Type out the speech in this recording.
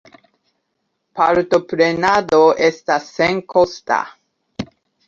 Patroprenado estas senkosta.